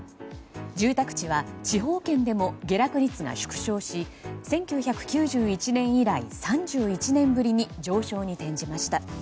住宅地は地方圏でも下落率が縮小し１９９１年以来３１年ぶりに上昇に転じました。